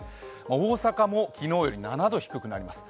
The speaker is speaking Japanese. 大阪も昨日より７度低くなります。